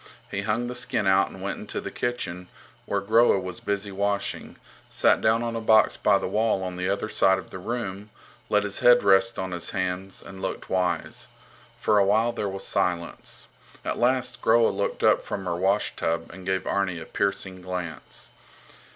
He hung the skin out and went into the kitchen, where Groa was busy washing, sat down on a box by the wall on the other side of the room, let his head rest on his hands, and looked wise. For a while there was silence. At last Groa looked up from her washtub and gave Arni a piercing glance.